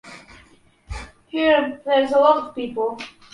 Here, there’s a lot of people.